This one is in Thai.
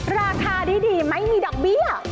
ราคาดีไม่มีดอกเบี้ย